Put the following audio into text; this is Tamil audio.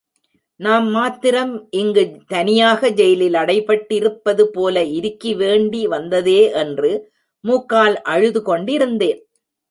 நாம் மாத்திரம் இங்கு தனியாக ஜெயிலில் அடைப்பட்டிருப்பதுபோல இருக்கி வேண்டி வந்ததே என்று மூக்கால் அழுதுகொண்டிருந்தேன்.